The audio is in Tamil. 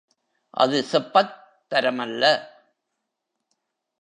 அது செப்பத் தரமல்ல.